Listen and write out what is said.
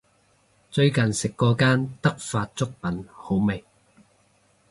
最近食過間德發粥品好味